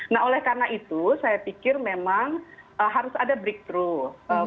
nah oleh karena itu saya pikir memang harus ada breakthrough